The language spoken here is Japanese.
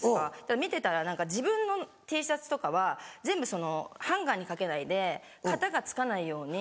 見てたら何か自分のＴシャツとかは全部そのハンガーに掛けないで形がつかないように。